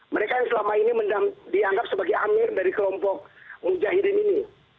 mereka yang selama ini dianggap sebagai amir dari kelompok mujahidin ini